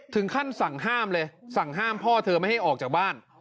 ถึงขั้นสั่งห้ามเลยสั่งห้ามพ่อเธอไม่ให้ออกจากบ้าน